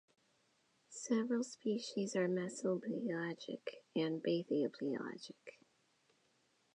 Several species are mesopelagic and bathypelagic.